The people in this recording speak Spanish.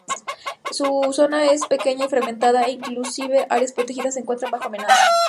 Su zona es pequeña y fragmentada e inclusive áreas protegidas se encuentran bajo amenaza.